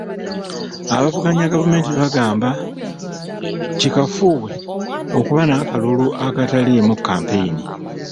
Abavuganya gavumenti bagamba kikafuuwe okuba n'akalulu akataliimu kampeyini.